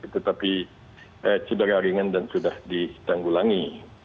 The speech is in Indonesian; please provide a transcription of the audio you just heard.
tetapi cedera ringan dan sudah ditanggulangi